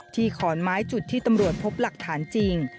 ขอนไม้จุดที่ตำรวจพบหลักฐานจริง